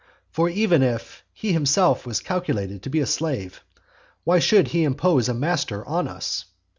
For even if he himself was calculated to be a slave, why should he impose a master on us?